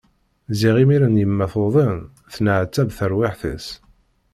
Ziɣ imiren yemma tuḍen, tenneɛtab terwiḥt-is.